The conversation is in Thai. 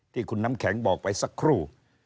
ที่คุณน้ำแข็งบอกไปสักครู่